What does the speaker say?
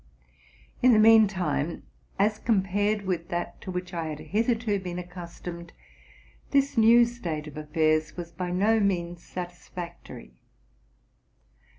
In the mean time, as compared with that to which I had hitherto been accustomed, this new state of affairs was by no means satisfactory.